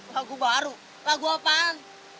lagu baru lagu apaan